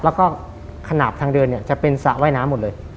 แล้วก็ขนาดทางเดินเนี่ยจะเป็นสระว่ายน้ำหมดเลย